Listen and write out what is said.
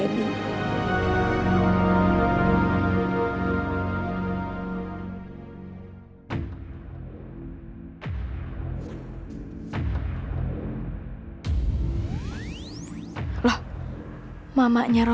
aku juga sayang kamu